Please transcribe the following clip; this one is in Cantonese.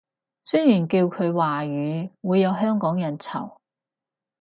雖然叫佢華語會有香港人嘈